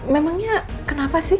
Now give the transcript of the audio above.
memangnya kenapa sih